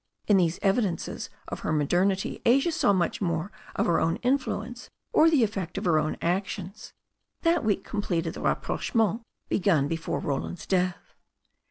In these evidences of her modern ity Asia saw much more of her own influence or the effect' of her own actions. That week completed the rapproche ' ment begun before Roland's death.